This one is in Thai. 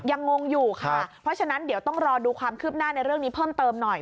งงอยู่ค่ะเพราะฉะนั้นเดี๋ยวต้องรอดูความคืบหน้าในเรื่องนี้เพิ่มเติมหน่อย